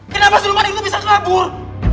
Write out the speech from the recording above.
kenapa siluman itu bisa kabur